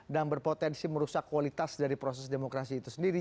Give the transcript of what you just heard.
dan berpotensi merusak kualitas dari proses demokrasi itu sendiri